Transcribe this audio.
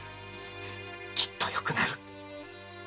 きっとよくなる。